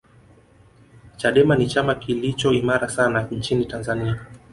chadema ni chama kilicho imara sana nchini tanzania